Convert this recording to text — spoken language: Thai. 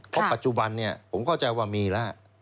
เพราะปัจจุบันเนี่ยผมเข้าใจว่ามีแล้ว